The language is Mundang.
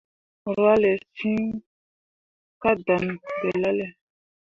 Rwahlle siŋ ka dan gelale.